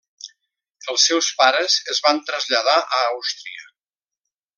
Els seus pares es van traslladar a Àustria.